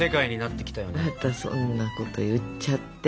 またそんなこと言っちゃって。